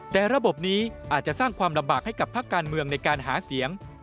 แต่ระบบนี้อาจจะสร้างความลำบากให้กับภาคการเมืองในการหาเสียง